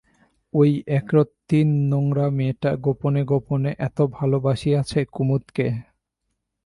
ওই একরত্তি নোংরা মেয়েটা গোপনে গোপনে এত ভালোবাসিয়াছে কুমুদকে?